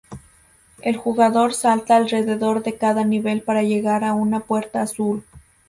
El jugador salta alrededor de cada nivel para llegar a una puerta azul.